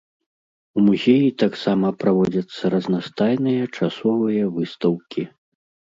У музеі таксама праводзяцца разнастайныя часовыя выстаўкі.